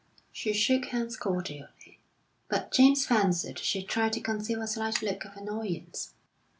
She shook hands cordially, but James fancied she tried to conceal a slight look of annoyance.